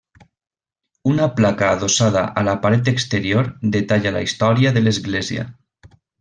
Una placa adossada a la paret exterior detalla la història de l'església.